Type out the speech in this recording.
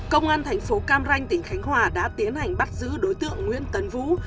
công an thành phố cam ranh tỉnh khánh hòa đã tiến hành bắt giữ đối tượng nguyễn tấn vũ